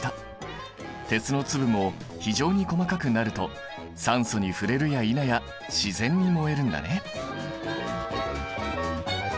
鉄の粒も非常に細かくなると酸素に触れるやいなや自然に燃えるんだね。